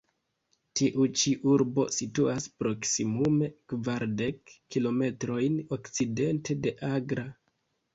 Tiu ĉi urbo situas proksimume kvardek kilometrojn okcidente de Agra.